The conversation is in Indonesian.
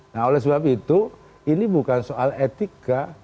nah oleh sebab itu ini bukan soal etika